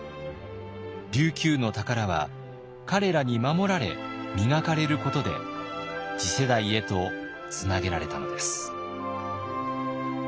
琉球の宝は彼らに守られ磨かれることで次世代へとつなげられたのです。